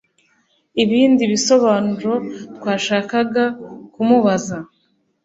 Ibindi bisobanuro twashakaga kumubaza